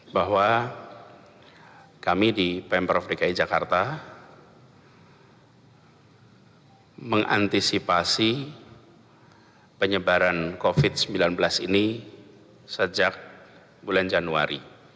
bahwa kami di pemprov dki jakarta mengantisipasi penyebaran covid sembilan belas ini sejak bulan januari